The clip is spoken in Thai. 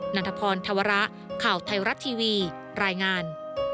ันทพรธวระข่าวไทยรัฐทีวีรายงาน